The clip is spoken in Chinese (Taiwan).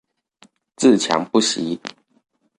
自強不息